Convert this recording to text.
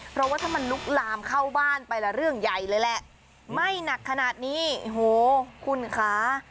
เพราะว่าถ้ามันลุกลามเข้าบ้านไปละเรื่องใหญ่เลยแหละไหม้หนักขนาดนี้โอ้โหคุณคะ